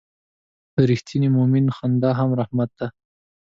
د رښتیني مؤمن خندا هم رحمت ده.